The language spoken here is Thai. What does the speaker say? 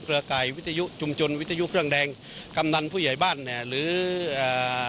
ไก่วิทยุชุมชนวิทยุเครื่องแดงกำนันผู้ใหญ่บ้านเนี่ยหรืออ่า